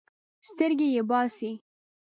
سترګې یې باسي.